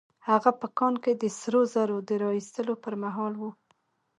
هغه په کان کې د سرو زرو د را ايستلو پر مهال وه.